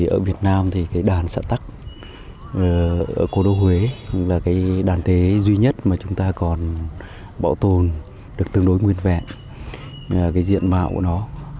ở việt nam đàn xã tắc ở cố đô huế là đàn tế duy nhất mà chúng ta còn bảo tồn được tương đối nguyên vẹn diện mạo của nó